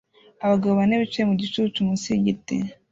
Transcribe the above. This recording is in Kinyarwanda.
abagabo bane bicaye mu gicucu munsi yigiti